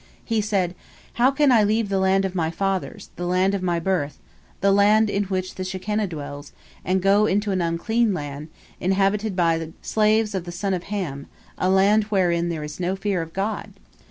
He said, "How can I leave the land of my fathers, the land of my birth, the land in which the Shekinah dwells, and go into an unclean land, inhabited by slaves of the sons of Ham, a land wherein there is no fear of God?"